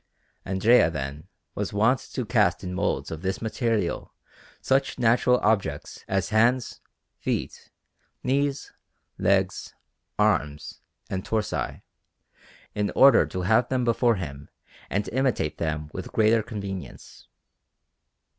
Andrea, then, was wont to cast in moulds of this material such natural objects as hands, feet, knees, legs, arms, and torsi, in order to have them before him and imitate them with greater convenience.